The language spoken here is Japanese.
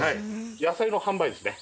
野菜の販売ですね。